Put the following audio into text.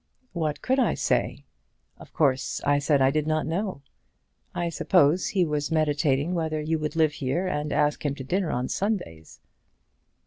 "What could I say? Of course I said I did not know. I suppose he was meditating whether you would live here and ask him to dinner on Sundays!"